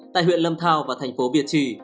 tại huyện lâm thao và thành phố việt trì